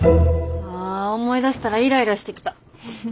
ああ思い出したらイライラしてきた。